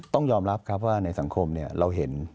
ต้องยอมรับครับว่าในสังคมเราเห็น